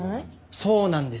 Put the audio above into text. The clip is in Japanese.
そうなんですよ。